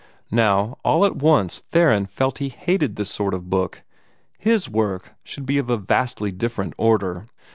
Now, all at once Theron felt that he hated that sort of book. HIS work should be of a vastly different order.